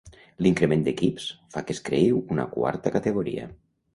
L'increment d'equips fa que es creï una quarta categoria.